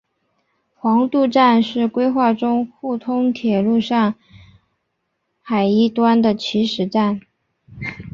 黄渡站是规划中沪通铁路上海一端的起始站。